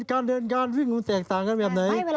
การเดินการวิ่งมันแตกต่างกันแบบไหน